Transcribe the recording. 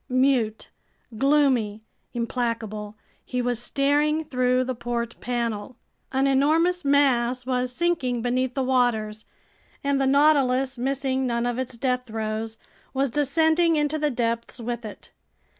Mute, gloomy, implacable, he was staring through the port panel. An enormous mass was sinking beneath the waters, and the Nautilus, missing none of its death throes, was descending into the depths with it.